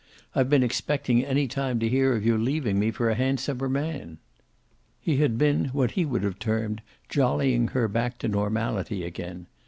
I've been expecting any time to hear of your leaving me for a handsomer man!" He had been what he would have termed jollying her back to normality again.